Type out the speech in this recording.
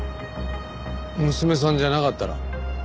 娘さんじゃなかったら？